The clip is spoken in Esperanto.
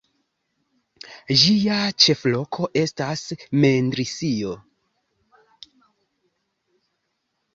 Ĝia ĉefloko estas Mendrisio.